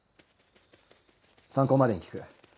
参考までに聞く。